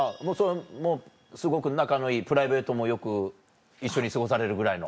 もうすごく仲のいいプライベートもよく一緒に過ごされるぐらいの？